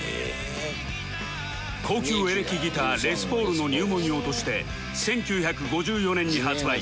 高級エレキギターレスポールの入門用として１９５４年に発売